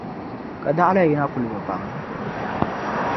Ka daɣila yi na kul bi baŋ?